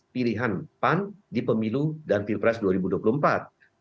pilihan pan di pemilu dan pilpres dua ribu dua puluh empat nah oleh karena itu saya ingin menegaskan bahwa